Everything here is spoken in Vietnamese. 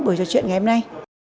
bởi cho chuyện ngày hôm nay